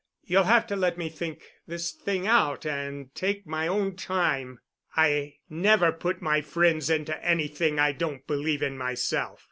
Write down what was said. You'll have to let me think this thing out and take my own time. I never put my friends into anything I don't believe in myself.